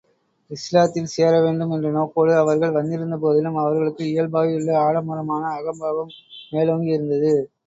இஸ்லாத்தில் சேர வேண்டும் என்ற நோக்கத்தோடு அவர்கள் வந்திருந்த போதிலும், அவர்களுக்கு இயல்பாயுள்ள ஆடம்பரமான அகம்பாவம் மேலோங்கி இருந்தது.